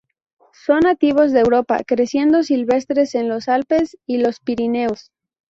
Son nativos de Europa creciendo silvestres en los Alpes y los Pirineos.